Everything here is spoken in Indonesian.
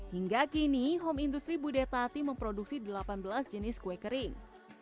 hingga kini home industry budetati memproduksi delapan belas jenis kue kering